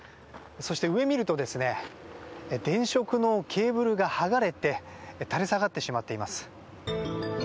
そして上を見ると電飾のケーブルが剥がれて垂れ下がってしまっています。